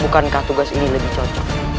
bukankah tugas ini lebih cocok